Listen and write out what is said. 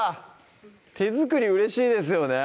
手作りうれしいですよね